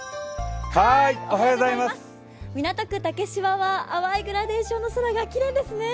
港区竹芝は淡いグラデーションの空がきれいですね。